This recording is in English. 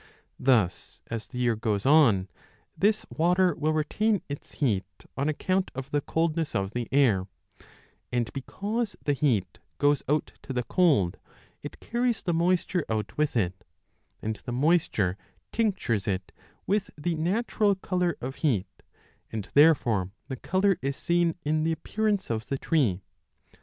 1 Thus as the year goes on this water will retain its heat on account of 30 the coldness of the air ; and because the heat goes out to the cold, it carries the moisture out with it, and the moisture tinctures it with the natural colour of heat, and therefore the colour is seen in the appearance of the tree.